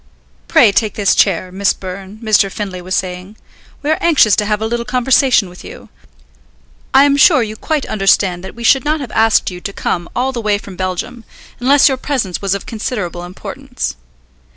"Pray take this chair, Miss Byrne," Mr. Findlay was saying. "We are anxious to have a little conversation with you. I am sure you quite understand that we should not have asked you to come all the way from Belgium unless your presence was of considerable importance.